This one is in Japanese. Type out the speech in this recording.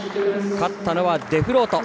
勝ったのはデフロート。